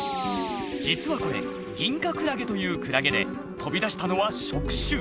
実はこれギンカクラゲというクラゲで飛び出したのは触手